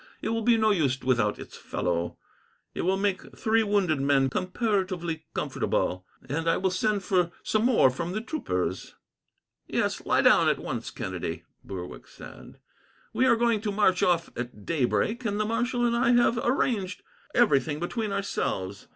It will be no use without its fellow. It will make three wounded men comparatively comfortable, and I will send for some more from the troopers." "Yes, lie down at once, Kennedy," Berwick said. "We are going to march off at daybreak, and the marshal and I have arranged everything between ourselves.